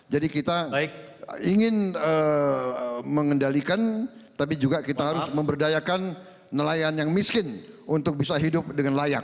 jadi kita ingin mengendalikan tapi juga kita harus memberdayakan nelayan yang miskin untuk bisa hidup dengan layak